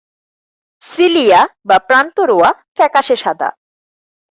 Cilia বা প্রান্ত-রোঁয়া ফ্যাকাশে সাদা।